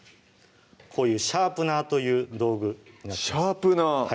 こういうシャープナーという道具シャープナー